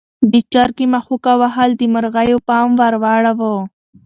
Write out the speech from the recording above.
د چرګې مښوکه وهل د مرغیو پام ور واړاوه.